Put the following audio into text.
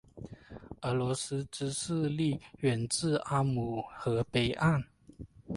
俄罗斯之势力远至阿姆河北岸。